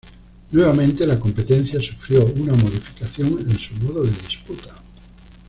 Nuevamente la competencia sufrió una modificación en su modo de disputa.